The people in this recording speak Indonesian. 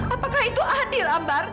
apakah itu adil ambar